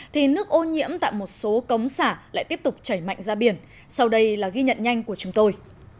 thì nước ô nhiễm tại một số cống xả lại tiếp tục chảy mạnh ra biển sau đây là ghi nhận nhanh của chúng tôi